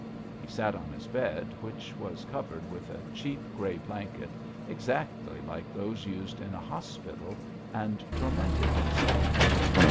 He sat on his bed which was covered with a cheap, grey blanket, exactly like those used in a hospital, and tormented himself.